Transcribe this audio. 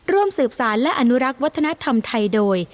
ร่วมสืบสารและอนุรักษ์วัฒนธรรมไทยโดย